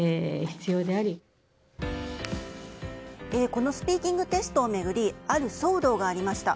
このスピーキングテストを巡りある騒動がありました。